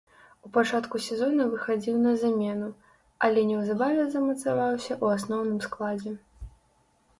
У пачатку сезона выхадзіў на замену, але неўзабаве замацаваўся ў асноўным складзе.